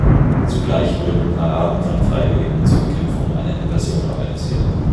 Zugleich wurden Paraden von Freiwilligen zur Bekämpfung einer Invasion organisiert.